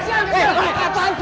kamu ini apa sih